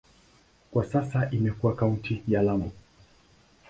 Kwa sasa imekuwa kaunti ya Lamu.